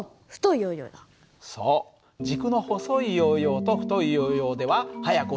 そう軸の細いヨーヨーと太いヨーヨーでははやく落ちるのは。